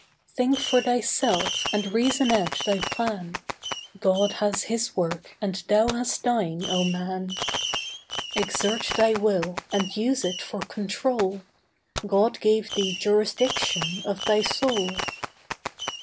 Think for thyself and reason out thy plan; God has His work and thou hast thine, oh, man. Exert thy will and use it for control; God gave thee jurisdiction of thy soul.